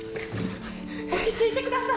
落ち着いてください！